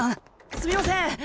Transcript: すみませんっ